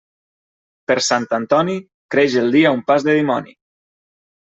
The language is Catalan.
Per Sant Antoni, creix el dia un pas de dimoni.